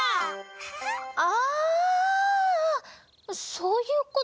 そういうこと？